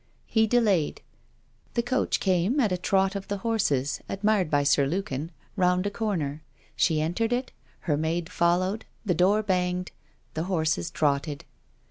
He delayed. The coach came at a trot of the horses, admired by Sir Lukin, round a corner. She entered it, her maid followed, the door banged, the horses trotted.